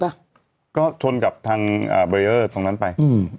บ๊วยกก็ชนกับทางแบร์เยอร์ตรงนั้นไป